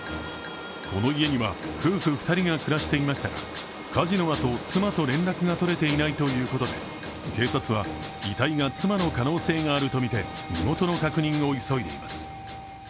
この家には夫婦２人が暮らしていましたが火事のあと、妻と連絡が取れていないということで警察は遺体が妻の可能性があるとみて身元の確認を急いでいます。